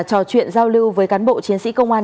trò chuyện giao lưu với cán bộ chiến sĩ công an